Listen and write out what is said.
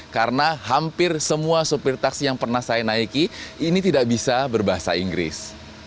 karena hampir semua supir taksi yang pernah saya naiki ini tidak bisa berbahasa inggris